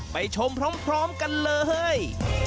ไปชมพร้อมกันเลย